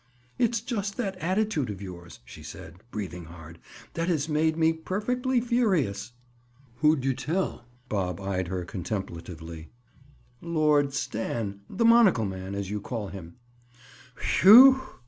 "It's just that attitude of yours," she said, breathing hard, "that has made me perfectly furious." "Who'd you tell?" Bob eyed her contemplatively. "Lord Stan—The monocle man, as you call him." "Whew!"